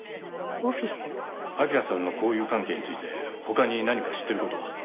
明良さんの交友関係について他に何か知ってる事は？